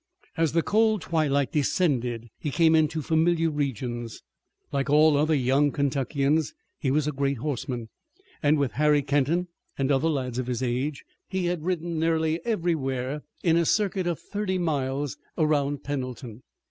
As the cold twilight descended he came into familiar regions. Like all other young Kentuckians he was a great horseman, and with Harry Kenton and other lads of his age he had ridden nearly everywhere in a circuit of thirty miles around Pendleton.